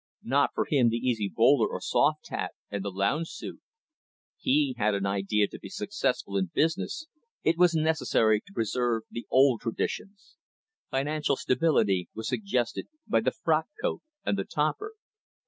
Not for him the easy bowler or soft hat, and the lounge suit. He had an idea that to be successful in business it was necessary to preserve the old traditions. Financial stability was suggested by the frock coat and the topper.